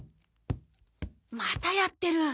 またやってる。